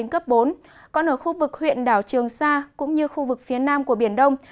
còn ở khu vực huyện đảo trường sa cũng như khu vực phía nam của biển đông